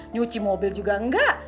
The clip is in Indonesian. nyuci mobil juga enggak